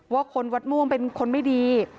ว่าคนวัดม่วงเป็นคนไม่ดี